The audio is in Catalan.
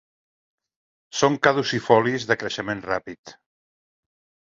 Són caducifolis de creixement ràpid.